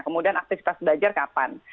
kemudian aktivitas belajar kapan